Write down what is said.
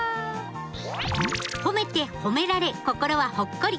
褒めて褒められ心はほっこり。